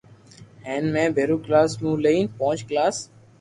ھين ۾ پيرو ڪلاس مون لئين پونچ ڪلاس